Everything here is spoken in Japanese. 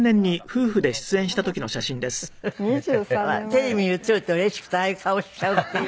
テレビに映るとうれしくてああいう顔しちゃうっていう。